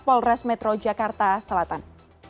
polres metro jakarta selatan